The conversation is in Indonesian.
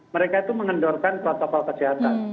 mereka itu mengendorkan protokol kesehatan